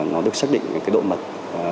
nó được xác định cái độ mật